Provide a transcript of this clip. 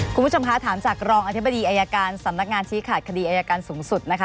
คุณผู้ชมคะถามจากรองอธิบดีอายการสำนักงานชี้ขาดคดีอายการสูงสุดนะคะ